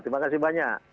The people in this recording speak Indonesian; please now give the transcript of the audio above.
terima kasih banyak